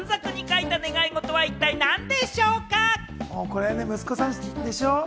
これは息子さんでしょ？